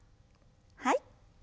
はい。